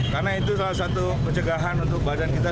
karena itu salah satu pencegahan untuk badan kita